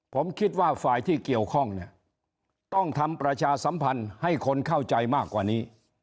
ผมคิดว่าฝ่ายที่เกี่ยวข้องเนี่ยต้องทำประชาสัมพันธ์ให้คนเข้าใจมากกว่านี้